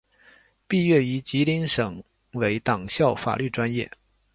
毕业于吉林省委党校法律专业。